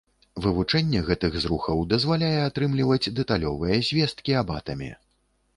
Вывучэнне гэтых зрухаў дазваляе атрымліваць дэталёвыя звесткі аб атаме.